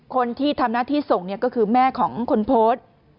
คนที่ทำหน้าที่ส่งก็คือแม่ของคนโพสต์